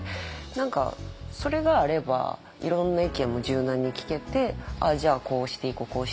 何かそれがあればいろんな意見も柔軟に聞けて「ああじゃあこうしていこう。